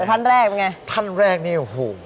แต่ท่านแรกเป็นยังไง